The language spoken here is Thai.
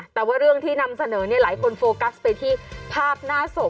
แต่ว่าเรื่องที่นำเสนอหลายคนโฟกัสไปที่ภาพหน้าศพ